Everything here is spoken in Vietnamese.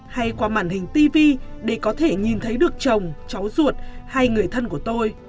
hay qua màn hình tv để có thể nhìn thấy được chồng cháu ruột hay người thân của tôi